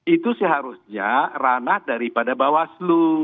itu seharusnya ranah daripada bawah slu